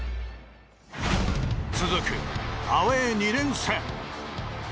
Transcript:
続くアウェー２連戦。